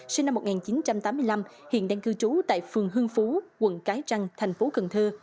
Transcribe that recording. sinh năm một nghìn chín trăm tám mươi năm hiện đang cư trú tại phường hương phú quận cái trăng thành phố cần thơ